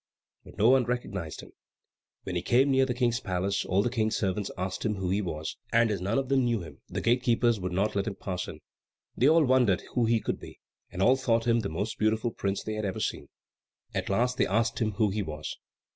But no one recognised him. When he came near the King's palace, all the King's servants asked him who he was; and as none of them knew him, the gate keepers would not let him pass in. They all wondered who he could be, and all thought him the most beautiful prince that had ever been seen. At last they asked him who he was.